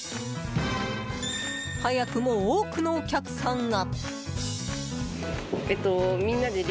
早くも多くのお客さんが。